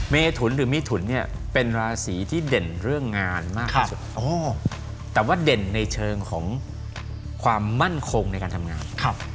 เมถุนหรือมิถุนเนี่ยเป็นราศีที่เด่นเรื่องงานมากที่สุดแต่ว่าเด่นในเชิงของความมั่นคงในการทำงาน